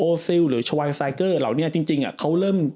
โอ้ซิลหรือชวายซาย์เกอร์เราเนี้ยจริงจริงอะเขาเริ่ม